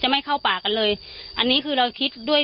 ที่มีข่าวเรื่องน้องหายตัว